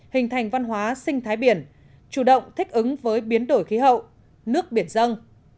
hình thành văn hóa sinh thái biển chủ động thích ứng với biến đổi khí hậu nước biển dân